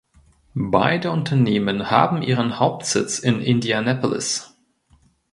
Beide Unternehmen haben ihren Hauptsitz in Indianapolis.